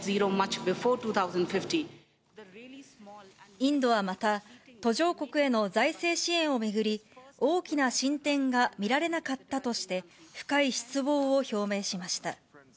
インドはまた、途上国への財政支援を巡り、大きな進展が見られなかったとして、深い失望を表明しました。